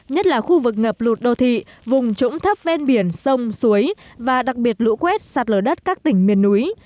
nhất là khu vực ngập lụt đô thị vùng trũng thấp ven biển sông suối và đặc biệt lũ quét sạt lở đất các tỉnh miền núi